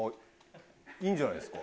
いいんじゃないですか。